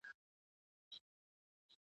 رسمي قوانین نظم ساتي.